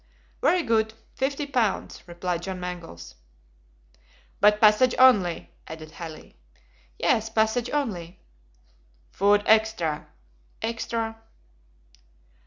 "Very good! Fifty pounds," replied John Mangles. "But passage only," added Halley. "Yes, passage only." "Food extra." "Extra."